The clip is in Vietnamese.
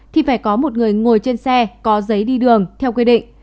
thì phải có một người ngồi trên xe có giấy đi đường theo quy định